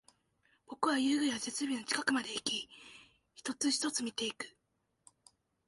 僕は遊具や設備の近くまでいき、一つ、一つ見ていく